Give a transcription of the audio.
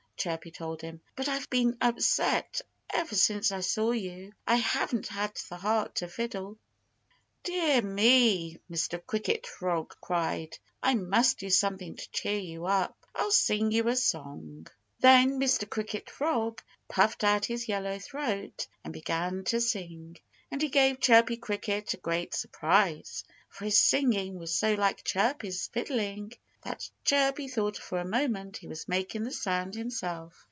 Chirpy told him. "But I've been upset ever since I saw you. I haven't had the heart to fiddle." "Dear me!" Mr. Cricket Frog cried. "I must do something to cheer you up. I'll sing you a song!" Then Mr. Cricket Frog puffed out his yellow throat and began to sing. And he gave Chirpy Cricket a great surprise. For his singing was so like Chirpy's fiddling that Chirpy thought for a moment he was making the sound himself.